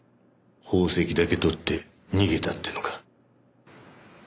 宝石だけ取って逃げたってのか？